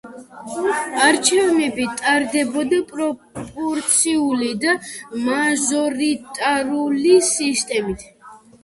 არჩევნები ტარდებოდა პროპორციული და მაჟორიტარული სისტემით.